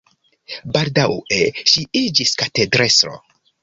Baldaŭe ŝi iĝis katedrestro.